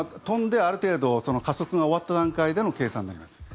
飛んで、ある程度加速が終わった段階での計算になります。